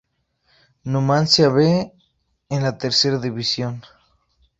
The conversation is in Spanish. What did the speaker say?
Numancia "B" en la Tercera División.